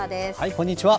こんにちは。